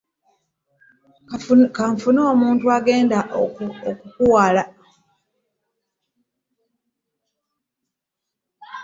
Kanfune omuntu agenda okukutwala.